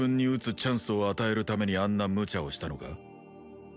チャンスを与えるためにあんなむちゃをしたのか？